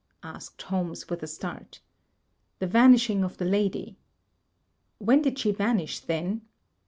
asked Holmes with a start. "The vanishing of the lady." "When did she vanish, then?"